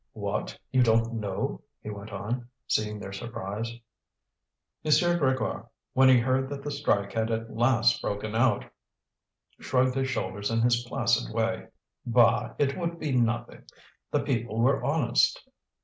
"What! you don't know?" he went on, seeing their surprise. M. Grégoire, when he heard that the strike had at last broken out, shrugged his shoulders in his placid way. Bah! it would be nothing, the people were honest.